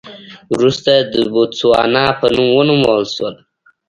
وروسته د بوتسوانا په نوم ونومول شول.